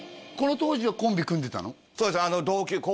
この当時はコンビ組んでたの？